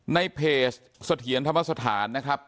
ในเพจเสถียรธรรมสถานนะครับ